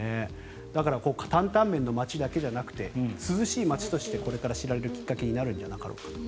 だからタンタンメンの街だけじゃなくて涼しい街としてこれから知られるきっかけになるのかなと。